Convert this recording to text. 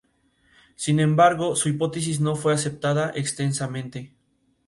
Sin embargo, su hipótesis no fue aceptada extensamente.